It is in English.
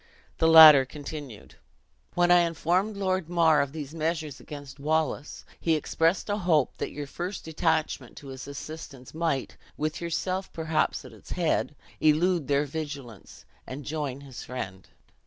The latter continued: "When I informed Lord Mar of these measures against Wallace, he expressed a hope that your first detachment to his assistance might, with yourself, perhaps, at its head, elude their vigilance, and join his friend.